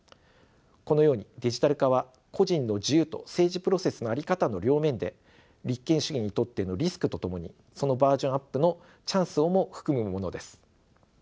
このようにデジタル化は個人の自由と政治プロセスの在り方の両面で立憲主義にとってのリスクとともにそのバージョンアップのチャンスをも含むものです。